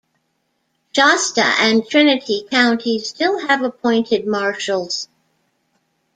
Shasta and Trinity Counties still have appointed Marshals.